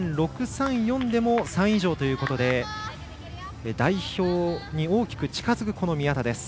でも３位以上ということで代表に大きく近づく宮田です。